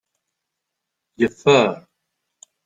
Yeffer.